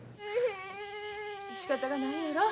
しかたがないやろ。